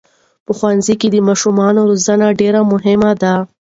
په ښوونځي کې د ماشومانو روزنه ډېره مهمه ده.